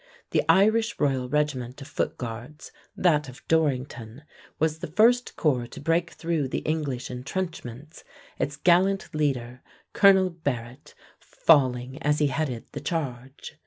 The Irish Royal Regiment of Footguards, that of Dorrington, was the first corps to break through the English intrenchments, its gallant leader, Colonel Barrett, falling as he headed the charge.